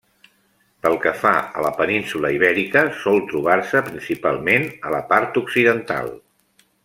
Pel que fa a la península Ibèrica, sol trobar-se principalment a la part occidental.